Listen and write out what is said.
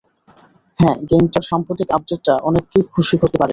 হ্যাঁ, গেমটার সাম্প্রতিক আপডেটটা অনেককেই খুশি করতে পারেনি।